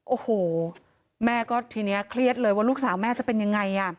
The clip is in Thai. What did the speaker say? โอ้โหแม่ก็ทีนี้เครียดเลยว่าลูกสาวแม่จะเป็นยังไง